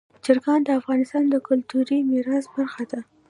چرګان د افغانستان د کلتوري میراث برخه ده.